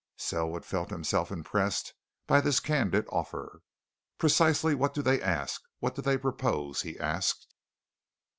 Selwood felt himself impressed by this candid offer. "Precisely what do they ask what do they propose?" he asked.